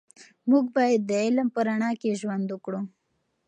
موږ باید د علم په رڼا کې ژوند وکړو.